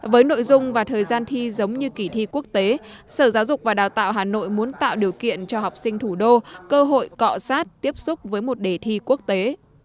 với nội dung và thời gian thi giống như kỳ thi quốc tế sở giáo dục và đào tạo hà nội muốn tạo điều kiện cho học sinh thủ đô cơ hội cọ sát tiếp xúc với một đề thi quốc tế